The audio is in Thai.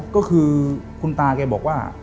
ก็คือคุณตาแกบอกว่า